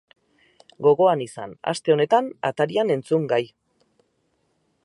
Gogoan izan, aste honetan atarian entzungai!